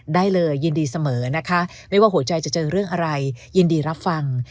ได้เลยยินดีเสมอนะคะไม่ว่าหัวใจจะเจอเรื่องอะไรยินดีรับฟัง